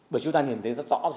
bởi chúng ta nhìn thấy rất rõ rồi